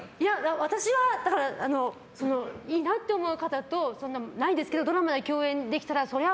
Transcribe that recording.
私は、いいなって思う方とないんですけどドラマで共演できたら、それは。